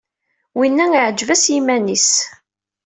Winna iɛǧeb-as yiman-is!